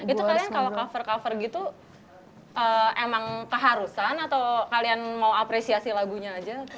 itu kalian kalau cover cover gitu emang keharusan atau kalian mau apresiasi lagunya aja